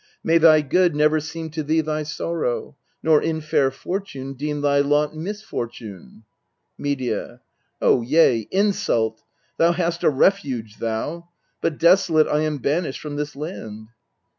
May thy good never seem to thee thy sorrow ; Nor in fair fortune deem thy lot misfortune. Medea. Oh, yea, insult ! Thou hast a refuge, thou ; But desolate I am banished from this land.